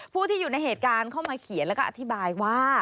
ผู้ที่อยู่ในเหตุการณ์เข้ามาเขียนแล้วก็อธิบายว่า